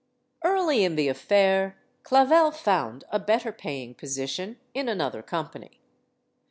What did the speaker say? Early in the affair, Clavel found a better paying position in another company.